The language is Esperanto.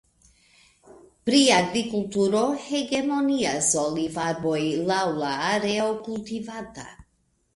Pri agrikulturo hegemonias olivarboj laŭ la areo kultivata.